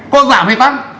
có giảm hay tăng